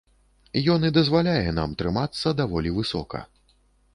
Ён і дазваляе нам трымацца даволі высока.